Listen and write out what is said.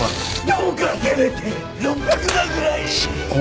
どうかせめて６００万ぐらいに！